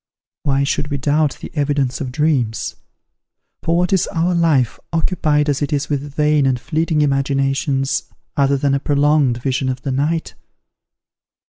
Why should we doubt the evidence of dreams? for what is our life, occupied as it is with vain and fleeting imaginations, other than a prolonged vision of the night?